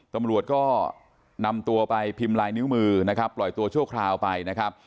ตำรวจก็นำตัวไปพิมพ์ลายนิ้วมือนะครับปล่อยตัวชั่วคราวไปนะครับ